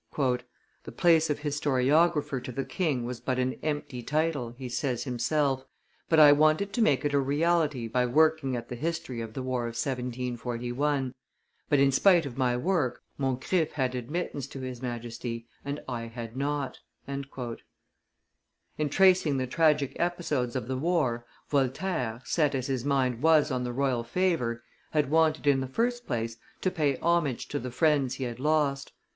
"The place of historiographer to the king was but an empty title," he says himself; "I wanted to make it a reality by working at the history of the war of 1741; but, in spite of my work, Moncrif had admittance to his Majesty, and I had not." In tracing the tragic episodes of the war, Voltaire, set as his mind was on the royal favor, had wanted in the first place to pay homage to the friends he had lost.